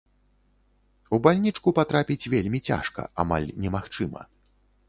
У бальнічку патрапіць вельмі цяжка, амаль немагчыма.